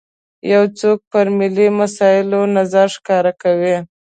یو څوک پر ملي مسایلو نظر ښکاره کوي.